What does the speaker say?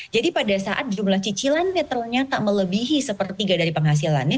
jadi pada saat jumlah cicilannya ternyata melebihi sepertiga dari penghasilannya